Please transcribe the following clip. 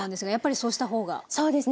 そうですね。